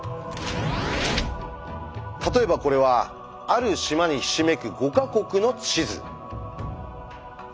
例えばこれはある島にひしめく５か国の地図。